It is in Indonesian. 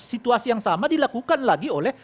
situasi yang sama dilakukan lagi oleh